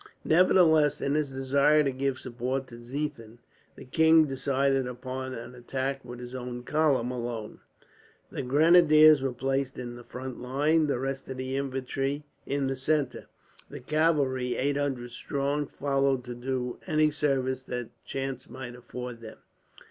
Nevertheless, in his desire to give support to Ziethen, the king decided upon an attack with his own column, alone. The grenadiers were placed in the front line, the rest of the infantry in the centre. The cavalry, 800 strong, followed to do any service that chance might afford them.